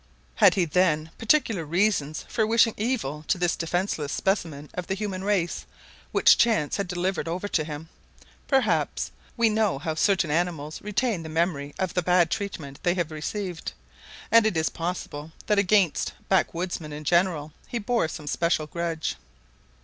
Had he then particular reasons for wishing evil to this defenseless specimen of the human race which chance had delivered over to him? Perhaps! We know how certain animals retain the memory of the bad treatment they have received, and it is possible that against backwoodsmen in general he bore some special grudge.